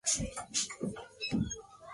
La aldea está en una depresión profunda.